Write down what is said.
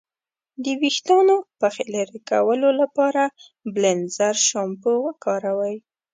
د ویښتانو پخې لرې کولو لپاره بیلینزر شامپو وکاروئ.